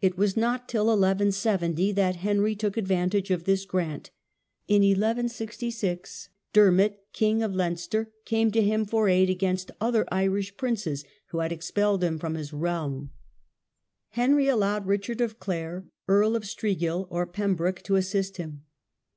It was not till 1170 that Henry took advantage of this grant. In 1166 Dermot, King of Leinster, came to him for aid against other Irish princes, who had expelled him from his realm. Henry allowed Richard of Clare, Earl of Striguil (or Pembroke), to assist him.